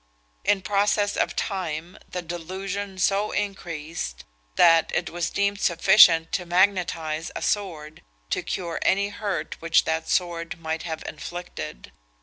In process of time, the delusion so increased, that it was deemed sufficient to magnetise a sword, to cure any hurt which that sword might have inflicted!